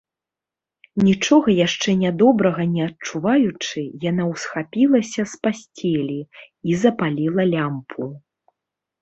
Нічога яшчэ нядобрага не адчуваючы, яна ўсхапілася з пасцелі і запаліла лямпу.